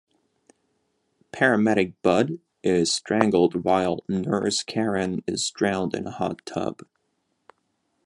Paramedic Budd is strangled while Nurse Karen is drowned in a hot tub.